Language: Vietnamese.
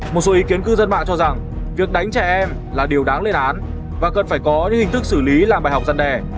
một số ý kiến cư dân mạng cho rằng việc đánh trẻ em là điều đáng lên án và cần phải có những hình thức xử lý làm bài học dân đề